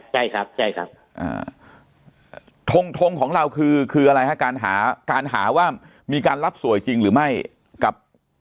ใช่ครับใช่ครับอ่าทงทงของเราคือคืออะไรฮะการหาการหาว่ามีการรับสวยจริงหรือไม่กับ